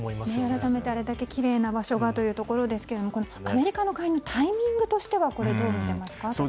改めてあれだけきれいな場所がというところですがアメリカの介入のタイミングとしてはどう見ていますか？